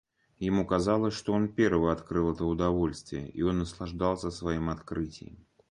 Ему казалось, что он первый открыл это удовольствие, и он наслаждался своим открытием.